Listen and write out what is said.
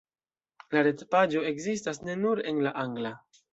La retpaĝo ekzistas ne nur en la angla.